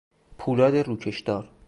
پولاد روکشدار